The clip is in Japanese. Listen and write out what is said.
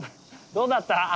どうだった？